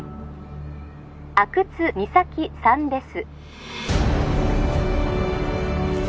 ☎阿久津実咲さんです